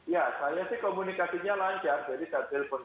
ya saya sih komunikasinya lancar jadi tak ada problem